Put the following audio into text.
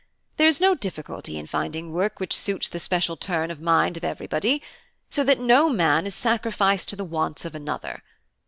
There is no difficulty in finding work which suits the special turn of mind of everybody; so that no man is sacrificed to the wants of another.